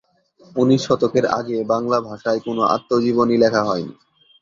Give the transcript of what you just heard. উনিশ শতকের আগে বাংলা ভাষায় কোনো আত্মজীবনী লেখা হয়নি।